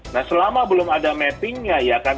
nah selama belum ada mappingnya ya kan